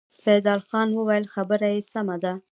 سيدال خان وويل: خبره يې سمه ده.